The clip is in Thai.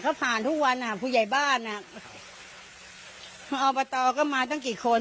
เขาผ่านทุกวันอ่ะผู้ใหญ่บ้านอ่ะอบตก็มาตั้งกี่คน